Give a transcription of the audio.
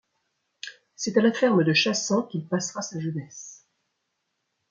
C'est à la ferme de Chassant qu'il passera sa jeunesse.